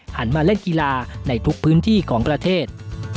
หันมาเล่นกีฬาในทุกพื้นที่ของประเทศ